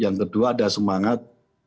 yang kedua ada semangat